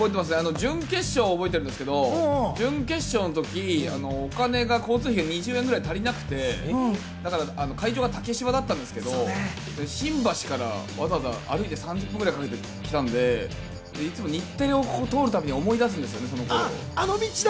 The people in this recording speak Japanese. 準決勝、覚えてるんですけど、準決勝の時、お金が交通費２０円くらい足りなくて、会場が竹芝だったんですけれども、新橋からわざわざ歩いて３０分くらいかけてきたんで、日テレを通るたびに思い出すんですよ。